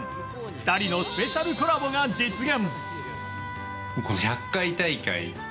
２人のスペシャルコラボが実現。